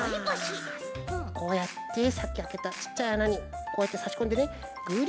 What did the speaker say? こうやってさっきあけたちっちゃいあなにこうやってさしこんでねグリグリグリグリ！